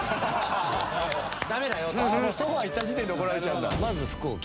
「もうソファ行った時点で怒られちゃうんだ」